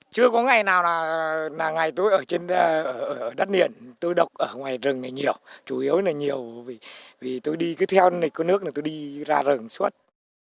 chưa có ngày nào là ngày tôi ở trên đất niền tôi đọc ở ngoài rừng này nhiều chủ yếu là nhiều vì tôi đi cứ theo nịch con nước này tôi đi ra rừng suốt